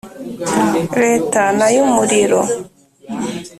Leta n ay umurimo